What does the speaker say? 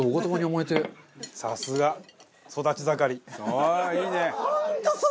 ああいいね。